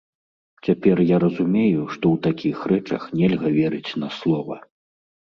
Цяпер я разумею, што ў такіх рэчах нельга верыць на слова.